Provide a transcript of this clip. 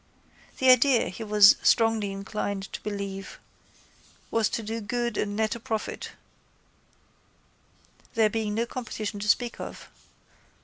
The idea, he was strongly inclined to believe, was to do good and net a profit, there being no competition to speak of.